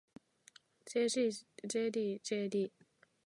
ｊｄｊｄｊｄ